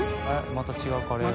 また違うカレーが。